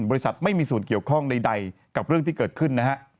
ไม่มีส่วนเกี่ยวข้องใดกับเรื่องที่เกิดขึ้นนะฮะ